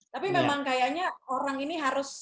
tapi memang kayaknya orang ini harus